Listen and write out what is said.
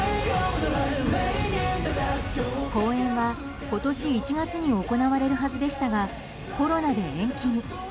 公演は今年１月に行われるはずでしたがコロナで延期に。